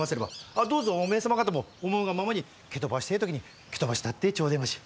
あっどうぞおめえ様方も思うがままに蹴飛ばしてえ時に蹴飛ばしたってちょでまし！